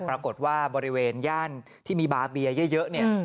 ปรากฏว่าบริเวณย่านที่มีบาเบียเยอะเนี่ย